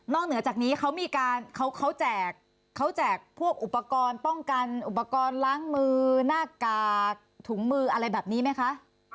เหนือจากนี้เขามีการเขาแจกพวกอุปกรณ์ป้องกันอุปกรณ์ล้างมือหน้ากากถุงมืออะไรแบบนี้ไหมคะ